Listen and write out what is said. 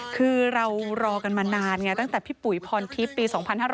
คือเรารอกันมานานไงตั้งแต่พี่ปุ๋ยพรทิพย์ปี๒๕๕๙